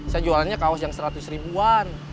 saya jualannya kaos yang seratus ribuan